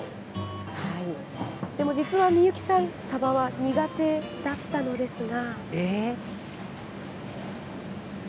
でも、実は美幸さんサバは苦手だったのですが。